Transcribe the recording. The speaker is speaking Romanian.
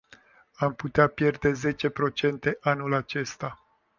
Am putea pierde zece procente anul acesta.